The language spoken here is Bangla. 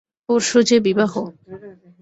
পরশু যে বিবাহ।